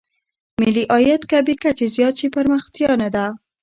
ملي عاید که بې کچې زیات شي پرمختیا نه ده.